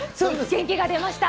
元気が出ました。